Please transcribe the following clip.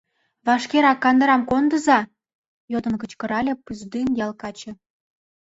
— Вашкерак кандырам кондыза! — йодын кычкырале Пыздӱҥ ял каче.